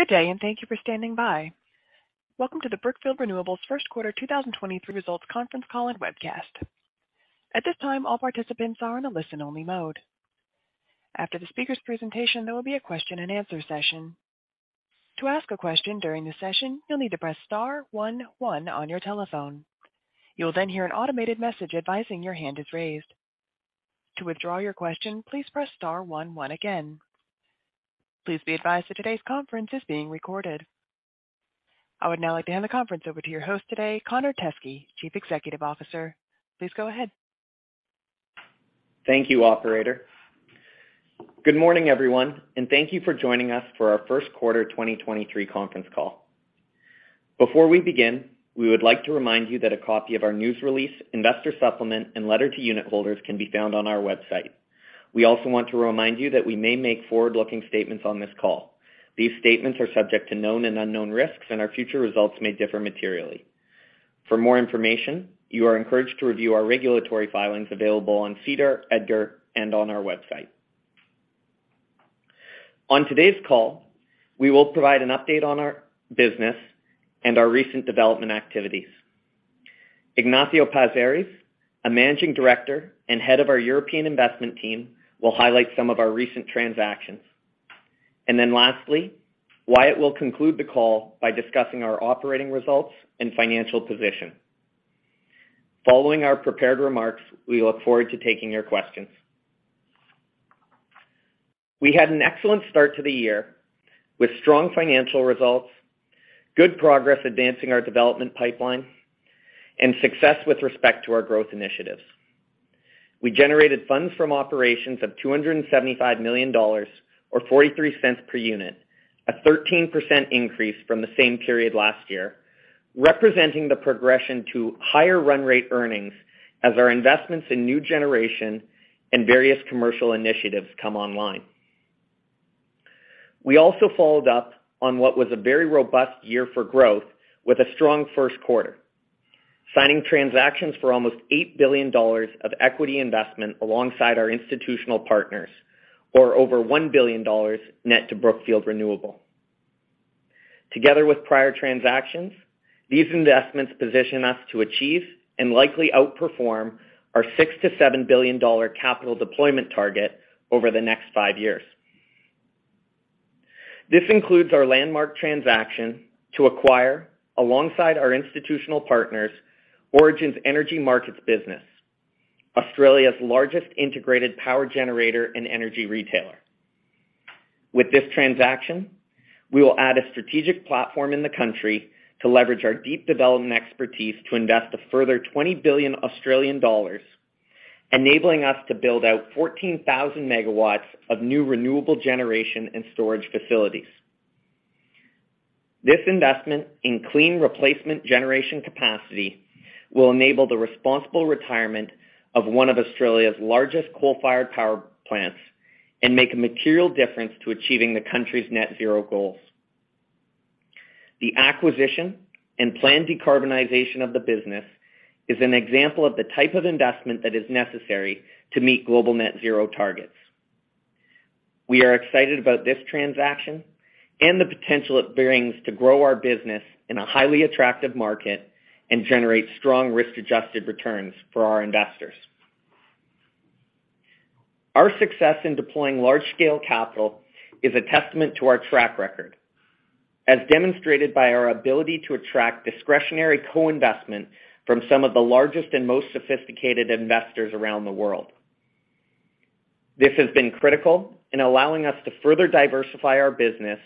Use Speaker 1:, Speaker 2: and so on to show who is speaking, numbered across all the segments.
Speaker 1: Good day. Thank you for standing by. Welcome to the Brookfield Renewable's First Quarter 2023 Results Conference Call and Webcast. At this time, all participants are in a listen-only mode. After the speaker's presentation, there will be a question-and-answer session. To ask a question during the session, you'll need to press star one on your telephone. You'll then hear an automated message advising your hand is raised. To withdraw your question, please press star one one again. Please be advised that today's conference is being recorded. I would now like to hand the conference over to your host today, Connor Teskey, Chief Executive Officer. Please go ahead.
Speaker 2: Thank you, operator. Good morning, everyone, and thank you for joining us for our first quarter 2023 conference call. Before we begin, we would like to remind you that a copy of our news release, investor supplement, and letter to unit holders can be found on our website. We also want to remind you that we may make forward-looking statements on this call. These statements are subject to known and unknown risks, and our future results may differ materially. For more information, you are encouraged to review our regulatory filings available on SEDAR, EDGAR, and on our website. On today's call, we will provide an update on our business and our recent development activities. Ignacio Paz-Ares, a Managing Director and Head of our European Investment Team, will highlight some of our recent transactions. Lastly, Wyatt will conclude the call by discussing our operating results and financial position. Following our prepared remarks, we look forward to taking your questions. We had an excellent start to the year with strong financial results, good progress advancing our development pipeline, and success with respect to our growth initiatives. We generated funds from operations of $275 million or $0.43 per unit, a 13% increase from the same period last year, representing the progression to higher run rate earnings as our investments in new generation and various commercial initiatives come online. We also followed up on what was a very robust year for growth with a strong first quarter, signing transactions for almost $8 billion of equity investment alongside our institutional partners or over $1 billion net to Brookfield Renewable. Together with prior transactions, these investments position us to achieve and likely outperform our $6 billion-$7 billion capital deployment target over the next 5 years. This includes our landmark transaction to acquire, alongside our institutional partners, Origin Energy Markets business, Australia's largest integrated power generator and energy retailer. With this transaction, we will add a strategic platform in the country to leverage our deep development expertise to invest a further 20 billion Australian dollars, enabling us to build out 14,000 megawatts of new renewable generation and storage facilities. This investment in clean replacement generation capacity will enable the responsible retirement of one of Australia's largest coal-fired power plants and make a material difference to achieving the country's net zero goals. The acquisition and planned decarbonization of the business is an example of the type of investment that is necessary to meet global net zero targets. We are excited about this transaction and the potential it brings to grow our business in a highly attractive market and generate strong risk-adjusted returns for our investors. Our success in deploying large-scale capital is a testament to our track record, as demonstrated by our ability to attract discretionary co-investment from some of the largest and most sophisticated investors around the world. This has been critical in allowing us to further diversify our business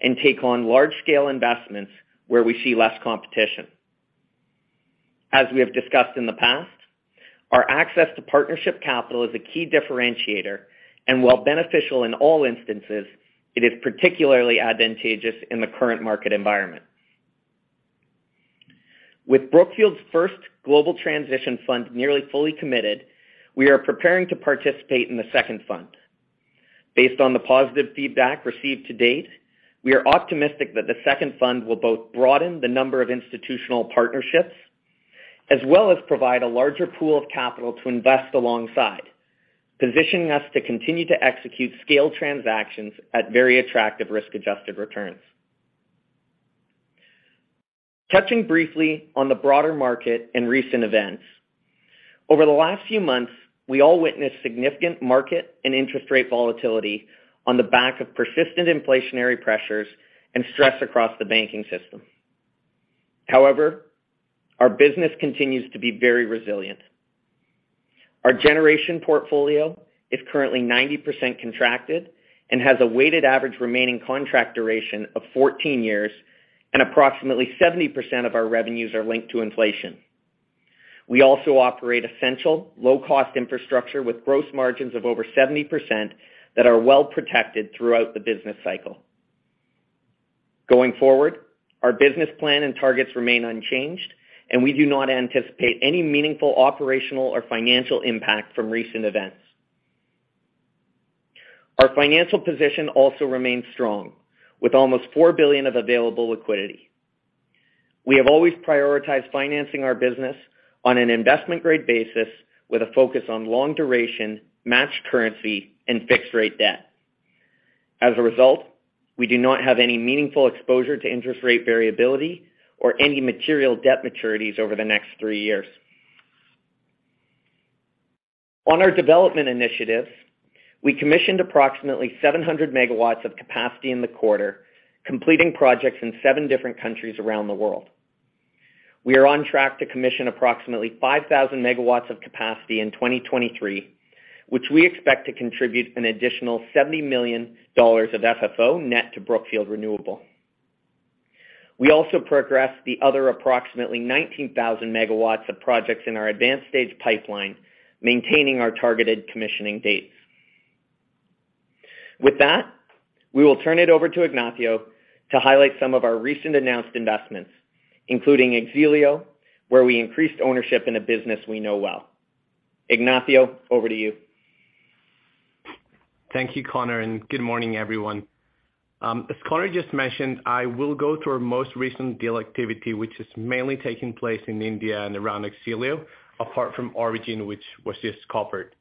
Speaker 2: and take on large-scale investments where we see less competition. As we have discussed in the past, our access to partnership capital is a key differentiator, and while beneficial in all instances, it is particularly advantageous in the current market environment. With Brookfield's first Global Transition Fund nearly fully committed, we are preparing to participate in the second fund. Based on the positive feedback received to date, we are optimistic that the second fund will both broaden the number of institutional partnerships, as well as provide a larger pool of capital to invest alongside, positioning us to continue to execute scaled transactions at very attractive risk-adjusted returns. Touching briefly on the broader market and recent events. Over the last few months, we all witnessed significant market and interest rate volatility on the back of persistent inflationary pressures and stress across the banking system. However, our business continues to be very resilient. Our generation portfolio is currently 90% contracted and has a weighted average remaining contract duration of 14 years, and approximately 70% of our revenues are linked to inflation. We also operate essential low-cost infrastructure with gross margins of over 70% that are well-protected throughout the business cycle. Going forward, our business plan and targets remain unchanged, and we do not anticipate any meaningful operational or financial impact from recent events. Our financial position also remains strong with almost $4 billion of available liquidity. We have always prioritized financing our business on an investment-grade basis with a focus on long duration, match currency, and fixed-rate debt. As a result, we do not have any meaningful exposure to interest rate variability or any material debt maturities over the next three years. On our development initiatives, we commissioned approximately 700 MW of capacity in the quarter, completing projects in seven different countries around the world. We are on track to commission approximately 5,000 MW of capacity in 2023, which we expect to contribute an additional $70 million of FFO net to Brookfield Renewable. We also progressed the other approximately 19,000 megawatts of projects in our advanced stage pipeline, maintaining our targeted commissioning dates. With that, we will turn it over to Ignacio to highlight some of our recent announced investments, including X-Elio, where we increased ownership in a business we know well. Ignacio, over to you.
Speaker 3: Thank you, Connor, and good morning, everyone. As Connor just mentioned, I will go through our most recent deal activity, which is mainly taking place in India and around X-Elio, apart from Origin, which was just covered.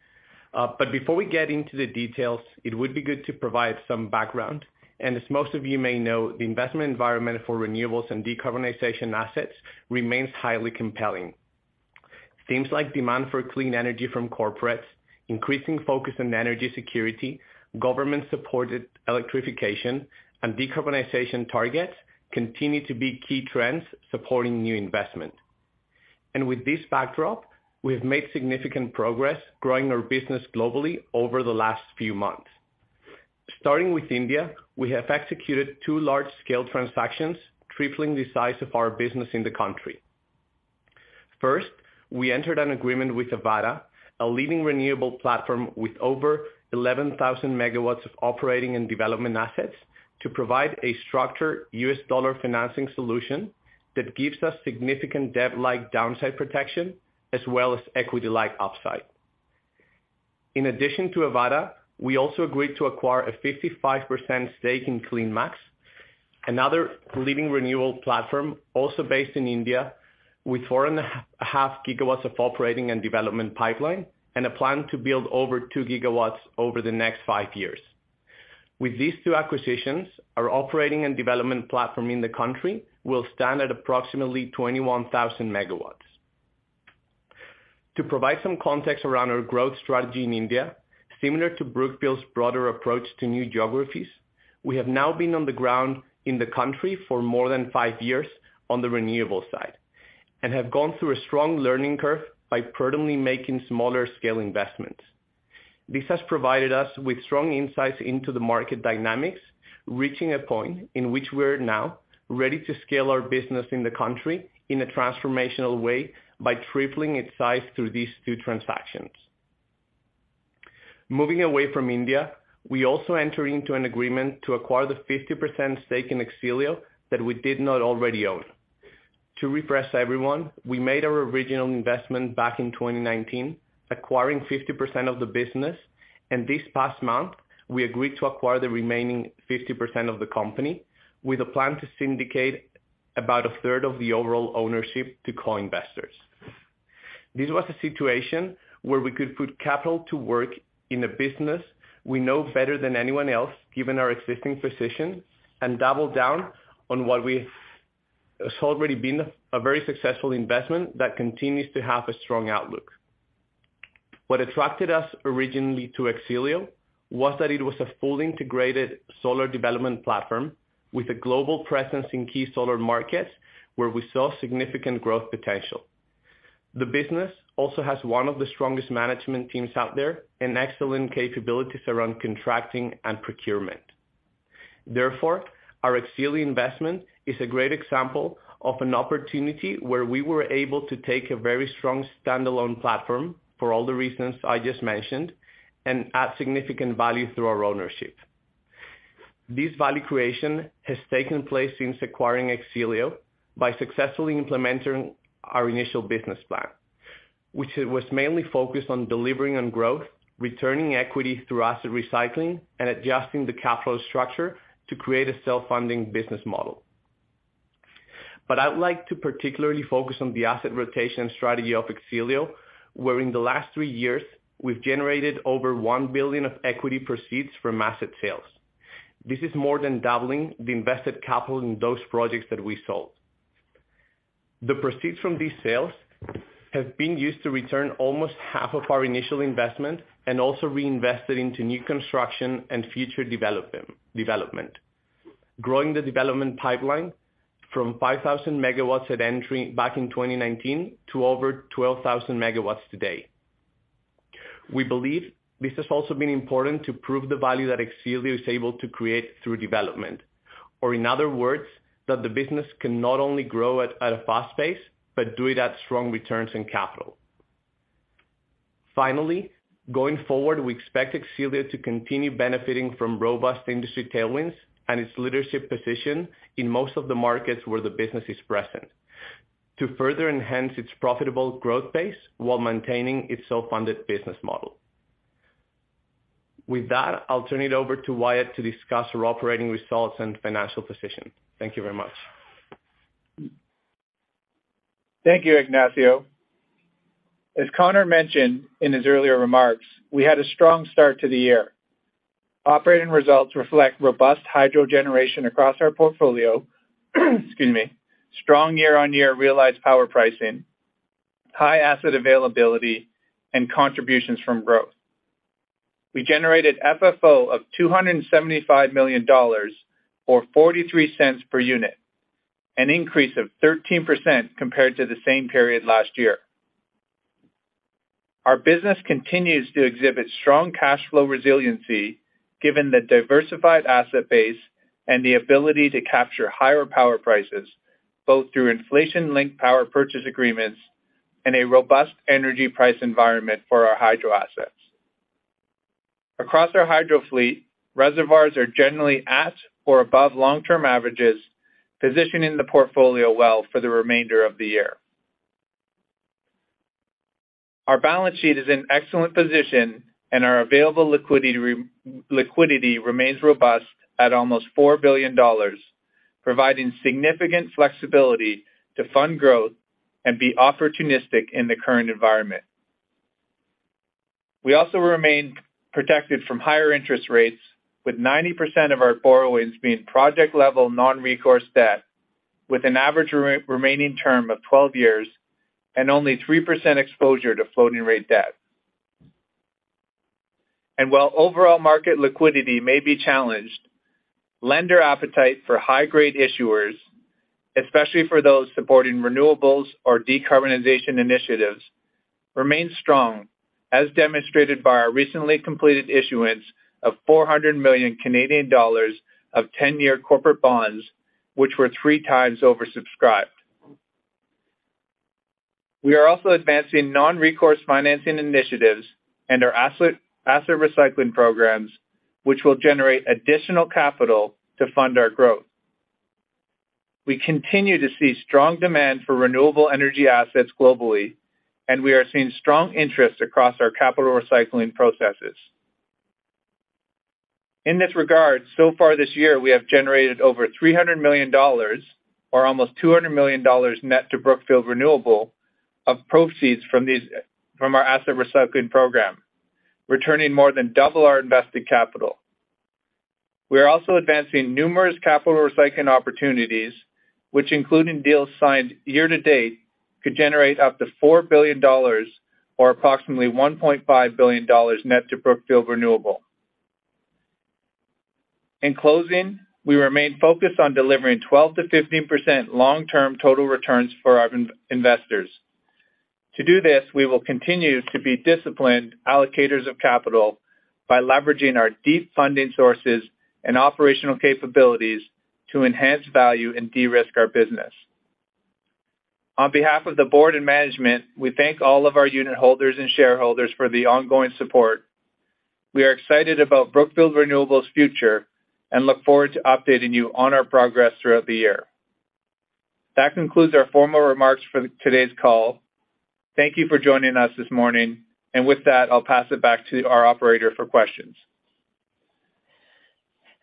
Speaker 3: Before we get into the details, it would be good to provide some background. As most of you may know, the investment environment for renewables and decarbonization assets remains highly compelling. Themes like demand for clean energy from corporates, increasing focus on energy security, government-supported electrification, and decarbonization targets continue to be key trends supporting new investment. With this backdrop, we have made significant progress growing our business globally over the last few months. Starting with India, we have executed two large-scale transactions, tripling the size of our business in the country. First, we entered an agreement with Avaada, a leading renewable platform with over 11,000 megawatts of operating and development assets to provide a structured US dollar financing solution that gives us significant debt-like downside protection as well as equity-like upside. In addition to Avaada, we also agreed to acquire a 55% stake in CleanMax, another leading renewable platform also based in India with 4 and a half gigawatts of operating and development pipeline and a plan to build over 2 gigawatts over the next 5 years. With these two acquisitions, our operating and development platform in the country will stand at approximately 21,000 megawatts. To provide some context around our growth strategy in India, similar to Brookfield's broader approach to new geographies, we have now been on the ground in the country for more than five years on the renewable side and have gone through a strong learning curve by prudently making smaller scale investments. This has provided us with strong insights into the market dynamics, reaching a point in which we're now ready to scale our business in the country in a transformational way by tripling its size through these two transactions. Moving away from India, we also enter into an agreement to acquire the 50% stake in X-Elio that we did not already own. To refresh everyone, we made our original investment back in 2019, acquiring 50% of the business. This past month, we agreed to acquire the remaining 50% of the company with a plan to syndicate about a third of the overall ownership to co-investors. This was a situation where we could put capital to work in a business we know better than anyone else, given our existing position, and double down on what we've already been a very successful investment that continues to have a strong outlook. What attracted us originally to X-Elio was that it was a fully integrated solar development platform with a global presence in key solar markets where we saw significant growth potential. The business also has one of the strongest management teams out there and excellent capabilities around contracting and procurement. Therefore, our X-Elio investment is a great example of an opportunity where we were able to take a very strong standalone platform for all the reasons I just mentioned and add significant value through our ownership. This value creation has taken place since acquiring X-Elio by successfully implementing our initial business plan, which was mainly focused on delivering on growth, returning equity through asset recycling, and adjusting the capital structure to create a self-funding business model. I would like to particularly focus on the asset rotation strategy of X-Elio, where in the last three years, we've generated over $1 billion of equity proceeds from asset sales. This is more than doubling the invested capital in those projects that we sold. The proceeds from these sales have been used to return almost half of our initial investment and also reinvested into new construction and future development. Growing the development pipeline from 5,000 megawatts at entry back in 2019 to over 12,000 megawatts today. We believe this has also been important to prove the value that X-Elio is able to create through development. In other words, that the business can not only grow at a fast pace but do it at strong returns in capital. Finally, going forward, we expect X-Elio to continue benefiting from robust industry tailwinds and its leadership position in most of the markets where the business is present to further enhance its profitable growth pace while maintaining its self-funded business model. With that, I'll turn it over to Wyatt to discuss our operating results and financial position. Thank you very much.
Speaker 4: Thank you, Ignacio. As Connor mentioned in his earlier remarks, we had a strong start to the year. Operating results reflect robust hydro generation across our portfolio, excuse me, strong year-on-year realized power pricing, high asset availability, and contributions from growth. We generated FFO of $275 million or $0.43 per unit, an increase of 13% compared to the same period last year. Our business continues to exhibit strong cash flow resiliency given the diversified asset base and the ability to capture higher power prices, both through inflation-linked power purchase agreements and a robust energy price environment for our hydro assets. Across our hydro fleet, reservoirs are generally at or above long-term averages, positioning the portfolio well for the remainder of the year. Our balance sheet is in excellent position, and our available liquidity remains robust at almost $4 billion, providing significant flexibility to fund growth and be opportunistic in the current environment. We also remain protected from higher interest rates, with 90% of our borrowings being project-level non-recourse debt, with an average remaining term of 12 years and only 3% exposure to floating rate debt. While overall market liquidity may be challenged, lender appetite for high-grade issuers, especially for those supporting renewables or decarbonization initiatives, remains strong, as demonstrated by our recently completed issuance of 400 million Canadian dollars of 10-year corporate bonds, which were 3 times oversubscribed. We are also advancing non-recourse financing initiatives and our asset recycling programs, which will generate additional capital to fund our growth. We continue to see strong demand for renewable energy assets globally. We are seeing strong interest across our capital recycling processes. In this regard, so far this year we have generated over $300 million, or almost $200 million net to Brookfield Renewable of proceeds from our asset recycling program, returning more than double our invested capital. We are also advancing numerous capital recycling opportunities, which including deals signed year to date, could generate up to $4 billion or approximately $1.5 billion net to Brookfield Renewable. In closing, we remain focused on delivering 12%-15% long-term total returns for our investors. To do this, we will continue to be disciplined allocators of capital by leveraging our deep funding sources and operational capabilities to enhance value and de-risk our business. On behalf of the board and management, we thank all of our unitholders and shareholders for the ongoing support. We are excited about Brookfield Renewable's future and look forward to updating you on our progress throughout the year. That concludes our formal remarks for today's call. Thank you for joining us this morning. With that, I'll pass it back to our operator for questions.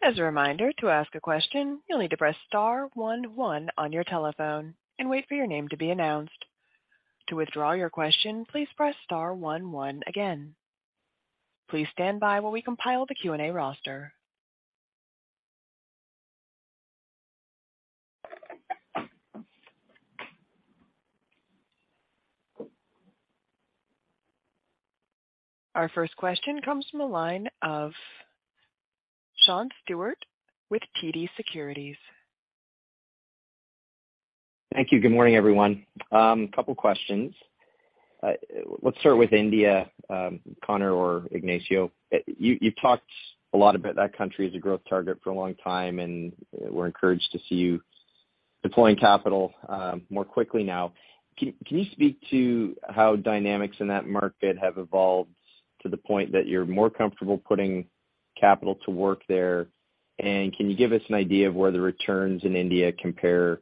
Speaker 1: As a reminder, to ask a question, you'll need to press star one one on your telephone and wait for your name to be announced. To withdraw your question, please press star one one again. Please stand by while we compile the Q&A roster. Our first question comes from the line of Sean Steuart with TD Securities.
Speaker 5: Thank you. Good morning, everyone. Couple questions. Let's start with India, Connor or Ignacio. You've talked a lot about that country as a growth target for a long time, and we're encouraged to see you deploying capital more quickly now. Can you speak to how dynamics in that market have evolved to the point that you're more comfortable putting capital to work there? Can you give us an idea of where the returns in India compare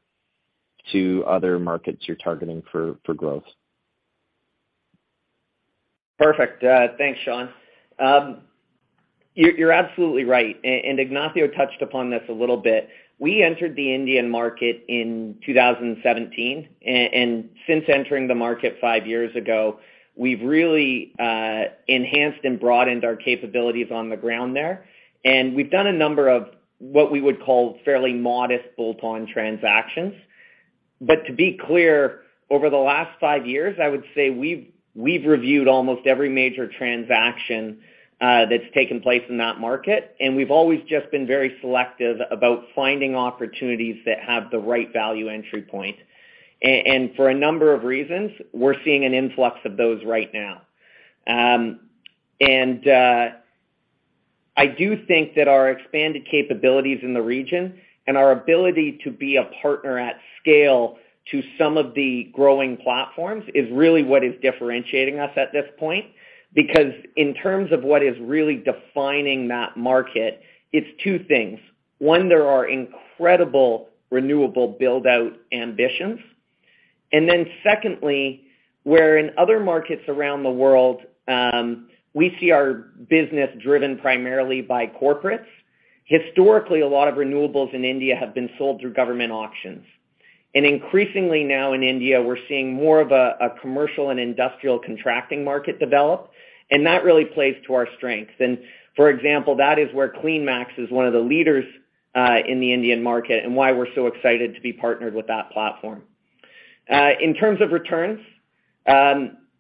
Speaker 5: to other markets you're targeting for growth?
Speaker 2: Perfect. Thanks, Sean. You're absolutely right, Ignacio touched upon this a little bit. We entered the Indian market in 2017. Since entering the market 5 years ago, we've really enhanced and broadened our capabilities on the ground there. We've done a number of what we would call fairly modest bolt-on transactions. To be clear, over the last 5 years, I would say we've reviewed almost every major transaction that's taken place in that market, and we've always just been very selective about finding opportunities that have the right value entry point. For a number of reasons, we're seeing an influx of those right now. I do think that our expanded capabilities in the region and our ability to be a partner at scale to some of the growing platforms is really what is differentiating us at this point. Because in terms of what is really defining that market, it's two things. One, there are incredible renewable build-out ambitions. Secondly, where in other markets around the world, we see our business driven primarily by corporates. Historically, a lot of renewables in India have been sold through government auctions. Increasingly now in India, we're seeing more of a commercial and industrial contracting market develop, and that really plays to our strengths. For example, that is where CleanMax is one of the leaders in the Indian market and why we're so excited to be partnered with that platform. In terms of returns,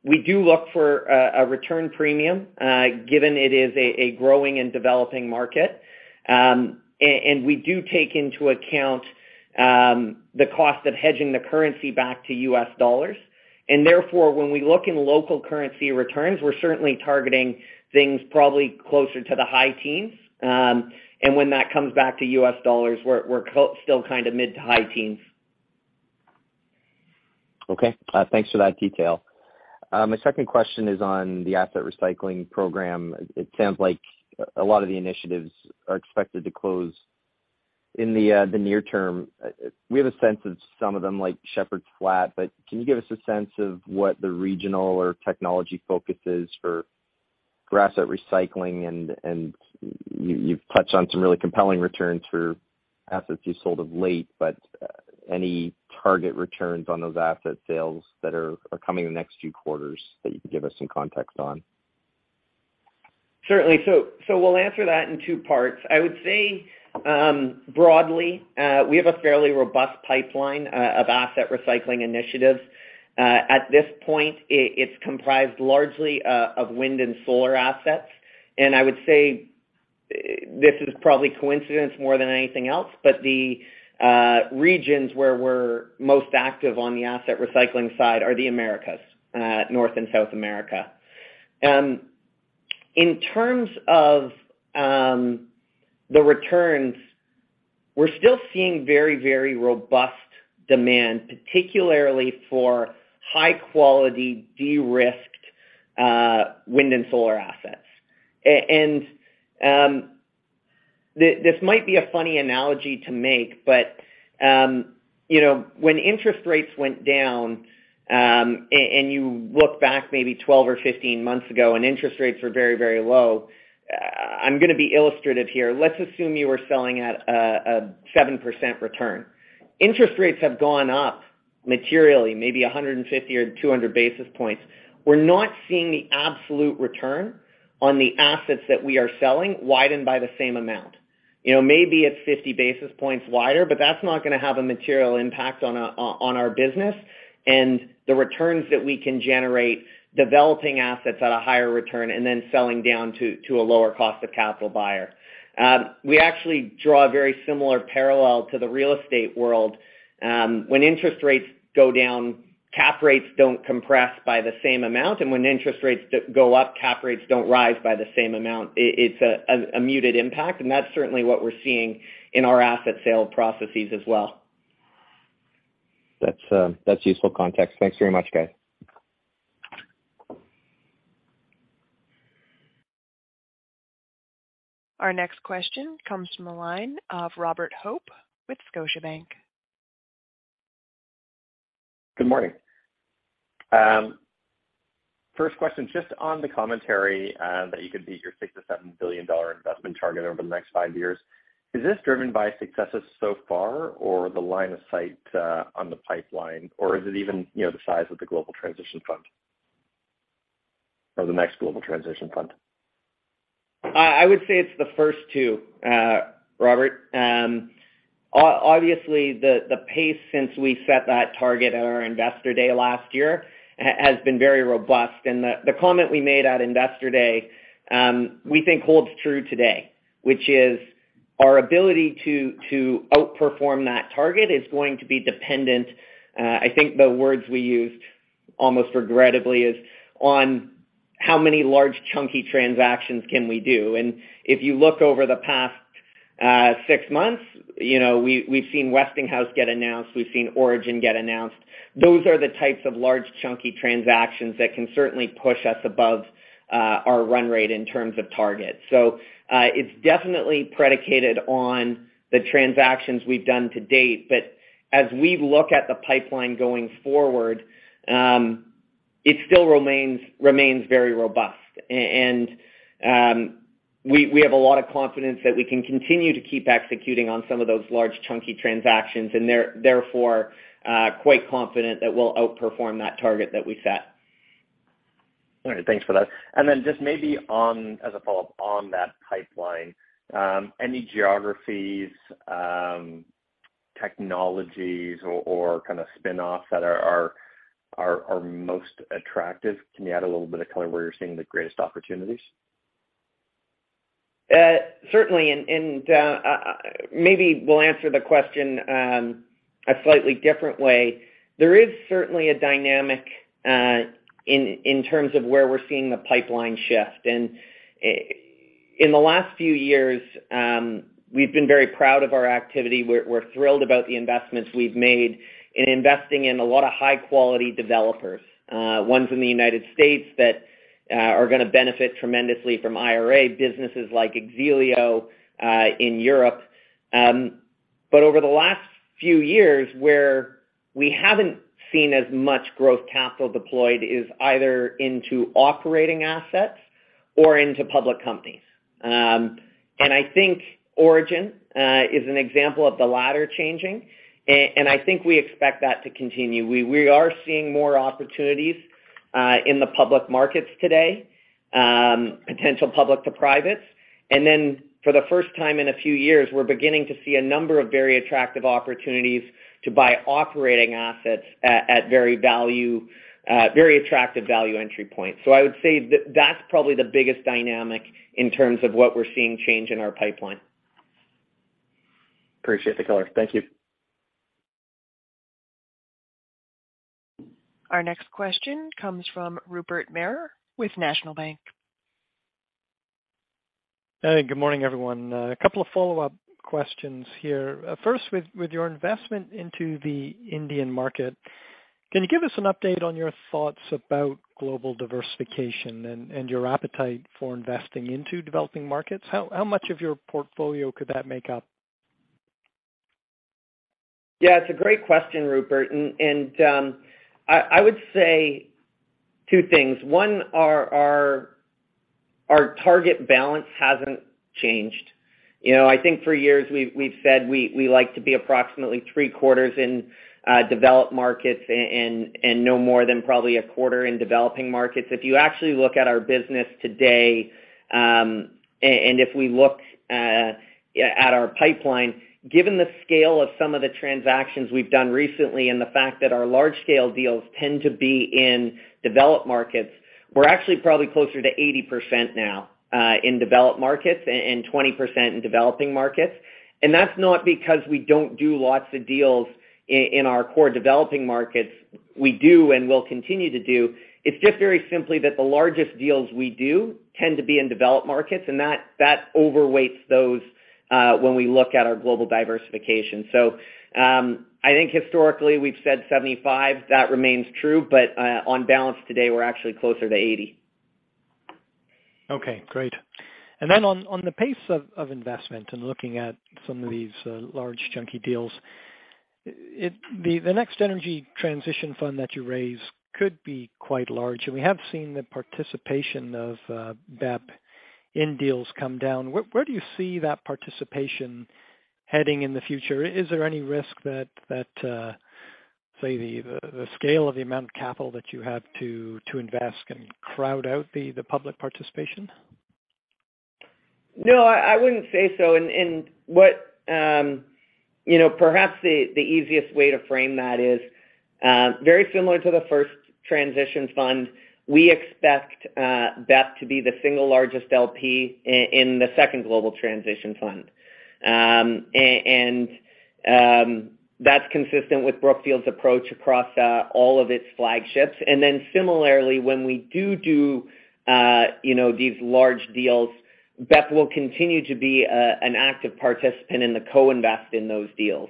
Speaker 2: we do look for a return premium given it is a growing and developing market. We do take into account the cost of hedging the currency back to US dollars. When we look in local currency returns, we're certainly targeting things probably closer to the high teens. When that comes back to US dollars, we're still kind of mid to high teens.
Speaker 5: Okay. Thanks for that detail. My second question is on the asset recycling program. It sounds like a lot of the initiatives are expected to close in the near term. We have a sense of some of them like Shepherds Flat, but can you give us a sense of what the regional or technology focus is for asset recycling? You've touched on some really compelling returns for assets you sold of late, but any target returns on those asset sales that are coming in the next few quarters that you can give us some context on?
Speaker 2: Certainly. We'll answer that in two parts. I would say, broadly, we have a fairly robust pipeline of asset recycling initiatives. At this point, it's comprised largely of wind and solar assets. I would say, this is probably coincidence more than anything else, but the regions where we're most active on the asset recycling side are the Americas, North and South America. In terms of the returns, we're still seeing very, very robust demand, particularly for high-quality, de-risked wind and solar assets. And this might be a funny analogy to make, but, you know, when interest rates went down, and you look back maybe 12 or 15 months ago, and interest rates were very, very low, I'm gonna be illustrative here. Let's assume you were selling at a 7% return. Interest rates have gone up materially, maybe 150 or 200 basis points. We're not seeing the absolute return on the assets that we are selling widened by the same amount. You know, maybe it's 50 basis points wider, but that's not gonna have a material impact on our business and the returns that we can generate, developing assets at a higher return and then selling down to a lower cost of capital buyer. We actually draw a very similar parallel to the real estate world. When interest rates go down, cap rates don't compress by the same amount, and when interest rates go up, cap rates don't rise by the same amount. It's a muted impact, and that's certainly what we're seeing in our asset sale processes as well.
Speaker 5: That's, that's useful context. Thanks very much, guys.
Speaker 1: Our next question comes from the line of Robert Hope with Scotiabank.
Speaker 6: Good morning. First question, just on the commentary that you could beat your $6 billion-$7 billion investment target over the next five years. Is this driven by successes so far or the line of sight on the pipeline, or is it even, you know, the size of the Global Transition Fund or the next Global Transition Fund?
Speaker 2: I would say it's the first two, Robert. Obviously, the pace since we set that target at our Investor Day last year has been very robust. The comment we made at Investor Day, we think holds true today, which is our ability to outperform that target is going to be dependent, I think the words we used almost regrettably is, on how many large, chunky transactions can we do. If you look over the past six months, you know, we've seen Westinghouse get announced, we've seen Origin get announced. Those are the types of large, chunky transactions that can certainly push us above our run rate in terms of targets. It's definitely predicated on the transactions we've done to date. As we look at the pipeline going forward, it still remains very robust. And we have a lot of confidence that we can continue to keep executing on some of those large, chunky transactions and therefore, quite confident that we'll outperform that target that we set.
Speaker 6: All right. Thanks for that. Then just maybe as a follow-up on that pipeline, any geographies, technologies or kind of spinoffs that are most attractive? Can you add a little bit of color where you're seeing the greatest opportunities?
Speaker 2: Certainly. And maybe we'll answer the question a slightly different way. There is certainly a dynamic in terms of where we're seeing the pipeline shift. In the last few years, we've been very proud of our activity. We're thrilled about the investments we've made in investing in a lot of high-quality developers, ones in the United States that are gonna benefit tremendously from IRA, businesses like X-Elio in Europe. Over the last few years where we haven't seen as much growth capital deployed is either into operating assets or into public companies. I think Origin is an example of the latter changing, and I think we expect that to continue. We are seeing more opportunities in the public markets today, potential public to privates. For the first time in a few years, we're beginning to see a number of very attractive opportunities to buy operating assets at very attractive value entry points. I would say that's probably the biggest dynamic in terms of what we're seeing change in our pipeline.
Speaker 7: Appreciate the color. Thank you.
Speaker 1: Our next question comes from Rupert Merer with National Bank.
Speaker 7: Hey, good morning, everyone. A couple of follow-up questions here. First with your investment into the Indian market, can you give us an update on your thoughts about global diversification and your appetite for investing into developing markets? How much of your portfolio could that make up?
Speaker 2: Yeah, it's a great question, Rupert. I would say two things. One, our target balance hasn't changed. You know, I think for years we've said we like to be approximately three-quarters in developed markets and no more than probably a quarter in developing markets. If you actually look at our business today, and if we look at our pipeline, given the scale of some of the transactions we've done recently and the fact that our large scale deals tend to be in developed markets, we're actually probably closer to 80% now in developed markets and 20% in developing markets. That's not because we don't do lots of deals in our core developing markets. We do and will continue to do. It's just very simply that the largest deals we do tend to be in developed markets, and that overweights those when we look at our global diversification. I think historically we've said 75%. That remains true. On balance today, we're actually closer to 80%.
Speaker 7: Okay, great. Then on the pace of investment and looking at some of these large chunky deals, the next energy transition fund that you raise could be quite large. We have seen the participation of BEP in deals come down. Where do you see that participation heading in the future? Is there any risk that, say, the scale of the amount of capital that you have to invest can crowd out the public participation?
Speaker 2: No, I wouldn't say so. What, you know, perhaps the easiest way to frame that is very similar to the first Global Transition Fund. We expect BEP to be the single largest LP in the second Global Transition Fund. That's consistent with Brookfield's approach across all of its flagships. Similarly, when we do, you know, these large deals, BEP will continue to be an active participant in the co-invest in those deals.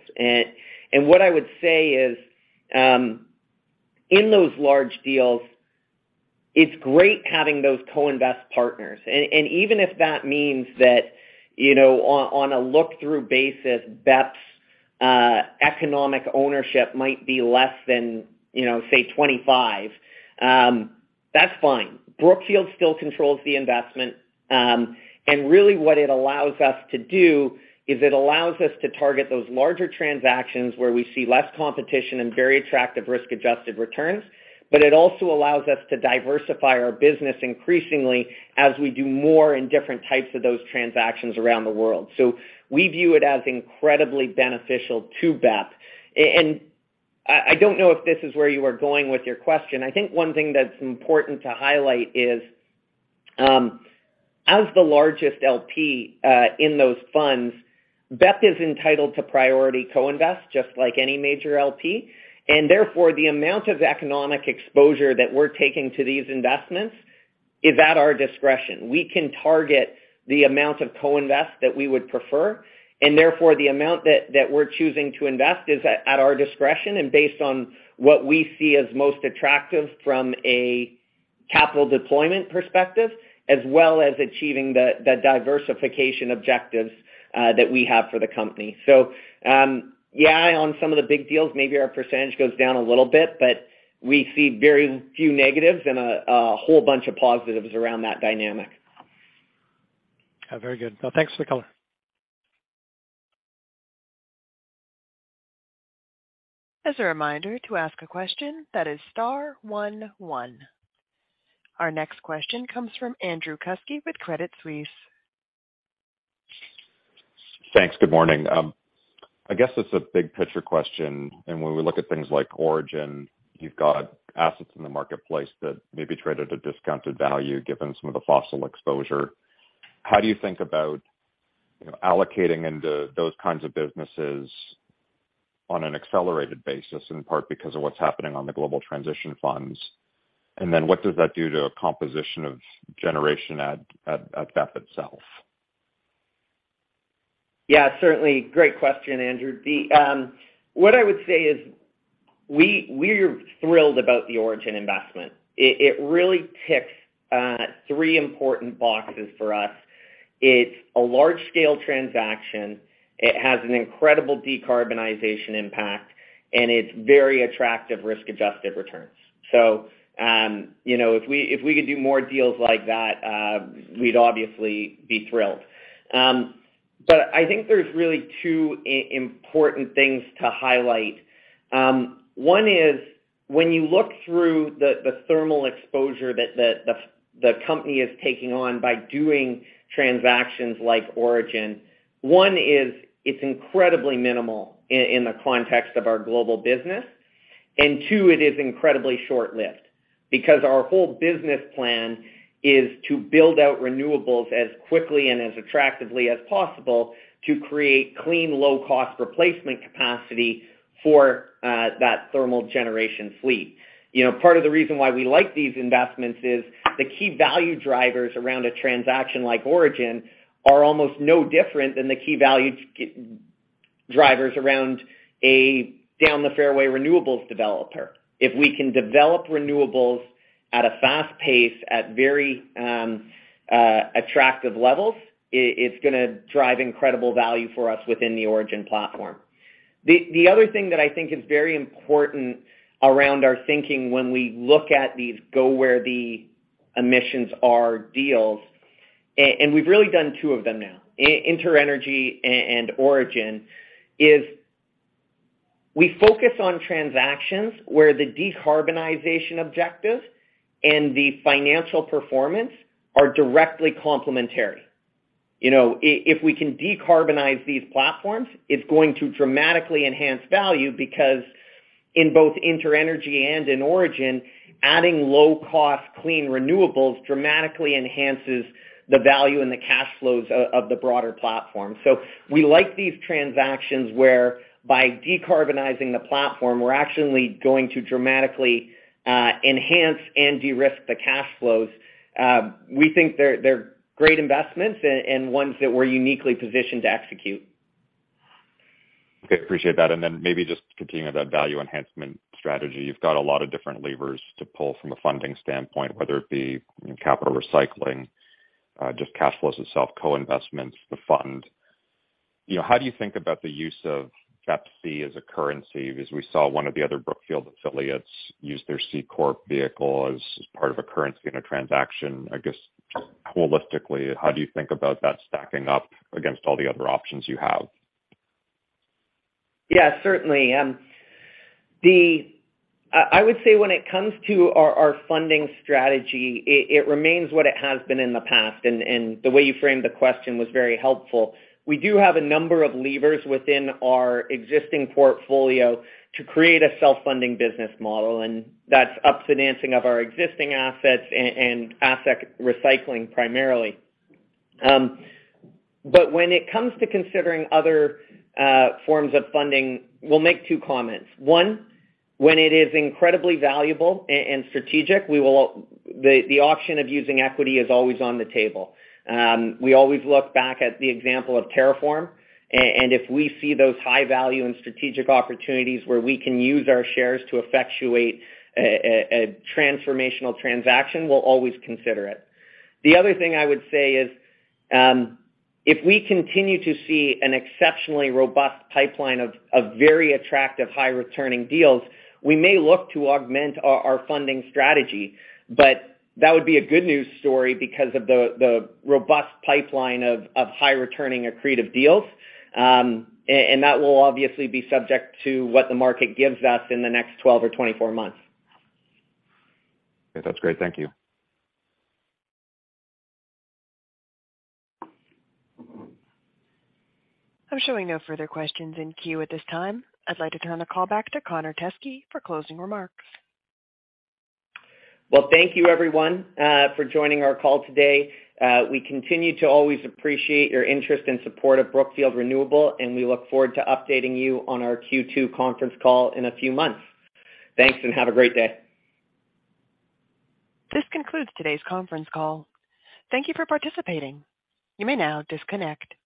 Speaker 2: What I would say is, in those large deals, it's great having those co-invest partners. Even if that means that, you know, on a look-through basis, BEP's economic ownership might be less than, you know, say 25, that's fine. Brookfield still controls the investment. Really what it allows us to do is it allows us to target those larger transactions where we see less competition and very attractive risk-adjusted returns. It also allows us to diversify our business increasingly as we do more in different types of those transactions around the world. We view it as incredibly beneficial to BEP. I don't know if this is where you are going with your question. I think one thing that's important to highlight is, as the largest LP in those funds, BEP is entitled to priority co-invest just like any major LP. Therefore, the amount of economic exposure that we're taking to these investments is at our discretion. We can target the amount of co-invest that we would prefer, and therefore the amount that we're choosing to invest is at our discretion and based on what we see as most attractive from a capital deployment perspective, as well as achieving the diversification objectives that we have for the company. Yeah, on some of the big deals, maybe our percentage goes down a little bit, but we see very few negatives and a whole bunch of positives around that dynamic.
Speaker 7: Very good. Thanks for the color.
Speaker 1: As a reminder to ask a question, that is star one one. Our next question comes from Andrew Kuske with Credit Suisse.
Speaker 8: Thanks. Good morning. I guess it's a big picture question. When we look at things like Origin, you've got assets in the marketplace that may be traded at discounted value given some of the fossil exposure. How do you think about allocating into those kinds of businesses on an accelerated basis, in part because of what's happening on the global transition funds? Then what does that do to a composition of generation at BEP itself?
Speaker 2: Certainly. Great question, Andrew. What I would say is, we're thrilled about the Origin investment. It really ticks three important boxes for us. It's a large-scale transaction, it has an incredible decarbonization impact, and it's very attractive risk-adjusted returns. You know, if we could do more deals like that, we'd obviously be thrilled. I think there's really two important things to highlight. One is when you look through the thermal exposure that the company is taking on by doing transactions like Origin, one is it's incredibly minimal in the context of our global business, and two, it is incredibly short-lived because our whole business plan is to build out renewables as quickly and as attractively as possible to create clean, low-cost replacement capacity for that thermal generation fleet. You know, part of the reason why we like these investments is the key value drivers around a transaction like Origin are almost no different than the key value drivers around a down the fairway renewables developer. If we can develop renewables at a fast pace at very attractive levels, it's gonna drive incredible value for us within the Origin platform. The other thing that I think is very important around our thinking when we look at these go where the emissions are deals, and we've really done two of them now, InterEnergy and Origin, is we focus on transactions where the decarbonization objectives and the financial performance are directly complementary. You know, if we can decarbonize these platforms, it's going to dramatically enhance value because in both InterEnergy and in Origin, adding low-cost clean renewables dramatically enhances the value and the cash flows of the broader platform. We like these transactions where by decarbonizing the platform, we're actually going to dramatically enhance and de-risk the cash flows. We think they're great investments and ones that we're uniquely positioned to execute.
Speaker 8: Okay, appreciate that. Maybe just continuing on that value enhancement strategy. You've got a lot of different levers to pull from a funding standpoint, whether it be capital recycling, just cash flows itself, co-investments, the fund. You know, how do you think about the use of BEPC as a currency, as we saw one of the other Brookfield affiliates use their C corp vehicle as part of a currency in a transaction? I guess just holistically, how do you think about that stacking up against all the other options you have?
Speaker 2: Yeah, certainly. I would say when it comes to our funding strategy, it remains what it has been in the past, and the way you framed the question was very helpful. We do have a number of levers within our existing portfolio to create a self-funding business model, and that's up financing of our existing assets and asset recycling primarily. When it comes to considering other forms of funding, we'll make two comments. One, when it is incredibly valuable and strategic, the option of using equity is always on the table. We always look back at the example of TerraForm, and if we see those high value and strategic opportunities where we can use our shares to effectuate a transformational transaction, we'll always consider it. The other thing I would say is, if we continue to see an exceptionally robust pipeline of very attractive high-returning deals, we may look to augment our funding strategy. That would be a good news story because of the robust pipeline of high-returning accretive deals. That will obviously be subject to what the market gives us in the next 12 or 24 months.
Speaker 8: Okay. That's great. Thank you.
Speaker 1: I'm showing no further questions in queue at this time. I'd like to turn the call back to Connor Teskey for closing remarks.
Speaker 2: Well, thank you everyone, for joining our call today. We continue to always appreciate your interest and support of Brookfield Renewable, and we look forward to updating you on our Q2 conference call in a few months. Thanks, and have a great day.
Speaker 1: This concludes today's conference call. Thank you for participating. You may now disconnect.